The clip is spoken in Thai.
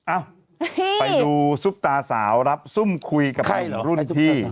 เอ้าไปดูซุปตาสาวรับซุ่มคุยกับหนุ่มรุ่นพี่